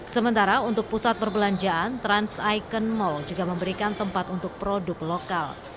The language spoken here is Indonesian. sementara untuk pusat perbelanjaan trans icon mall juga memberikan tempat untuk produk lokal